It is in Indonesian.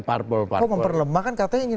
parlemen kok memperlemah kan katanya ingin